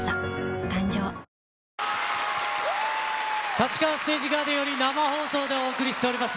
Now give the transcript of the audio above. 立川ステージガーデンより生放送でお送りしております